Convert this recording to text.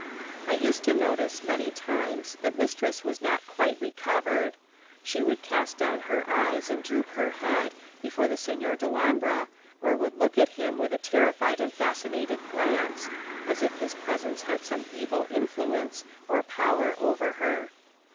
I used to notice, many times, that mistress was not quite recovered. She would cast down her eyes and droop her head, before the Signor Dellombra, or would look at him with a terrified and fascinated glance, as if his presence had some evil influence or power upon her.